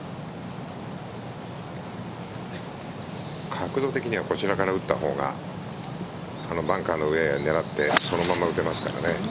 角度的にはこちらから打ったほうがバンカーの上、狙ってそのまま打てますからね。